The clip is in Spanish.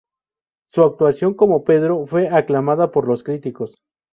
Su actuación como Pedro fue aclamada por los críticos.